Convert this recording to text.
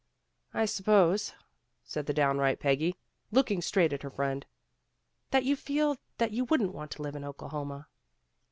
"I suppose," said the downright Peggy, looking straight at her friend, "that you feel that you wouldn't want to live in Oklahoma."